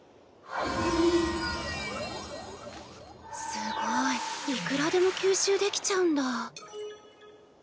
すごいいくらでも吸収できちゃうんだ。